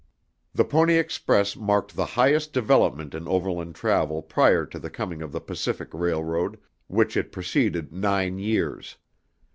The Pony Express marked the highest development in overland travel prior to the coming of the Pacific railroad, which it preceded nine years.